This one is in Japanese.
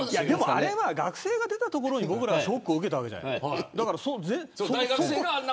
あれは学生が出たところにショックを受けたわけじゃない僕らは。